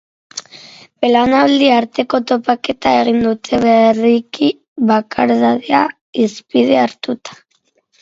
Belaunaldi arteko topaketa egin dute berriki bakardadea hizpide hartuta.